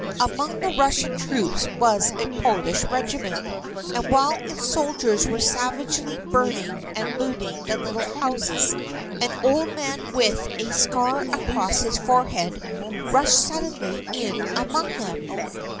Among the Russian troops was a Polish Regiment. And while its soldiers were savagely burning and looting the little houses, an old man with a scar across his forehead, rushed suddenly in among them.